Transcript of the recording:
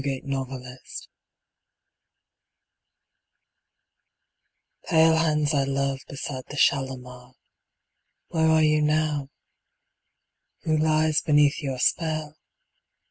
Kashmiri Song Pale hands I love beside the Shalimar, Where are you now? Who lies beneath your spell?